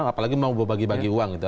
apalagi mau berbagi bagi uang